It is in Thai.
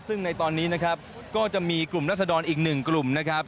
ซึ่งในตอนนี้นะครับก็จะมีกลุ่มรัศดรอีกหนึ่งกลุ่มนะครับ